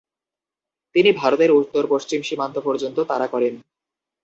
তিনি ভারতের উত্তর-পশ্চিম সীমান্ত পর্যন্ত তারা করেন।